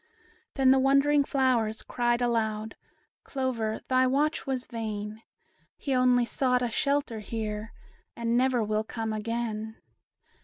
Then the wondering flowers cried aloud, "Clover, thy watch was vain; He only sought a shelter here, And never will come again."